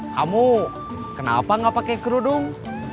kamu kenapa gak pakai kerudung